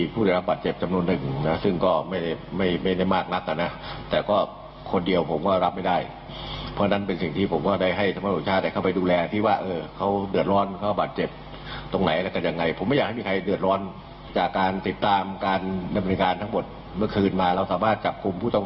ภายในเวลาไม่ถึง๒๔ชั่วโมง